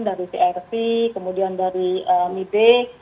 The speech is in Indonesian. dari crp kemudian dari mibe